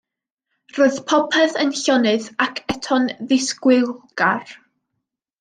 Roedd popeth yn llonydd ac eto'n ddisgwylgar.